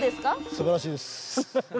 すばらしいです。